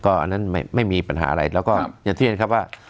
อันนั้นไม่มีปัญหาอะไรแล้วก็อย่าเที่ยวนะครับว่า